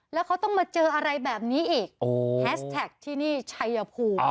แล้วเขาต้องมาเจออะไรแบบนี้อีกแฮชแท็กที่นี่ชัยภูมิ